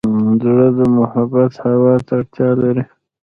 زړه د محبت هوا ته اړتیا لري.